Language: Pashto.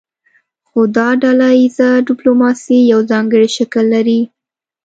خو دا ډله ایزه ډیپلوماسي یو ځانګړی شکل لري